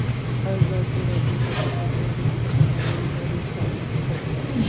ازادي راډیو د بهرنۍ اړیکې د تحول لړۍ تعقیب کړې.